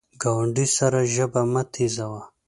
ګاونډي سره ژبه مه تیزوه